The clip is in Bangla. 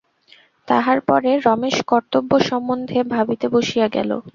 তাহার পরে রমেশ কর্তব্য সম্বন্ধে ভাবিতে বসিয়া গেল।